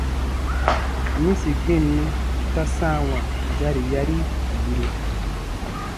-yĩsi gbinnu ta sãawa gari yarii yiru.